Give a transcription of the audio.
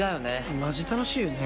まじ楽しいよね。